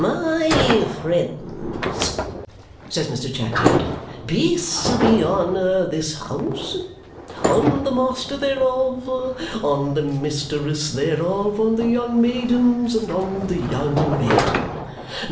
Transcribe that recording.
"My friends," says Mr. Chadband, "peace be on this house! On the master thereof, on the mistress thereof, on the young maidens, and on the young men!